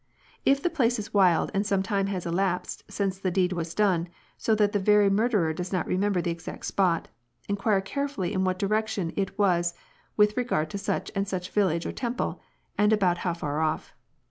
" If the place is wild and some time has elapsed since the deed was done, so that the very murderer does not remember the exact spot, inquire carefully in what direction it was with regard to such and such a village or temple, and about how far off.